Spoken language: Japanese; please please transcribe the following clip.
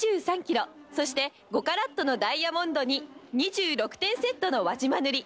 そして５カラットのダイヤモンドに２６点セットの輪島塗り。